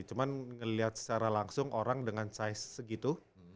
cuma ngelihat secara langsung orang dengan size segitu